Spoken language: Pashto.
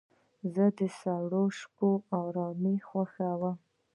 زه د سړو شپو آرام خوښوم.